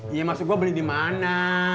iya maksud gue beli dimana